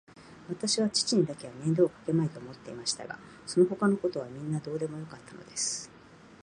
わたしは父にだけは面倒をかけまいと思っていましたが、そのほかのことはみんなどうでもよかったのです。